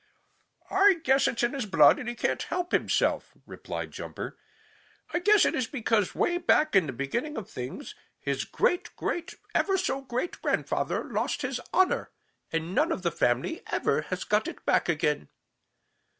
"I guess it's in his blood, and he can't help himself," replied Jumper. "I guess it is because way back in the beginning of things his great great ever so great grandfather lost his honor, and none of the family ever has got it back again."